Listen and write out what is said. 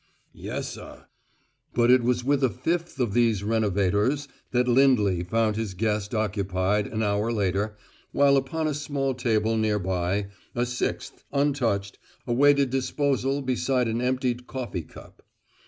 "Yessuh." But it was with a fifth of these renovators that Lindley found his guest occupied, an hour later, while upon a small table nearby a sixth, untouched, awaited disposal beside an emptied coffee cup.